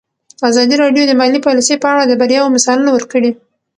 ازادي راډیو د مالي پالیسي په اړه د بریاوو مثالونه ورکړي.